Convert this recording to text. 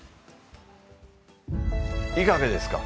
いかがですか。